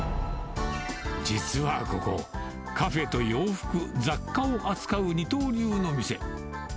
実はここ、カフェと洋服、雑貨を扱う二刀流の店。